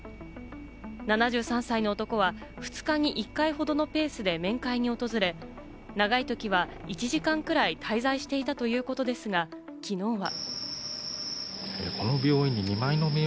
７３歳の男は２日に１回ほどのペースで面会に訪れ、長いときは１時間くらい滞在していたということですが、きのうは。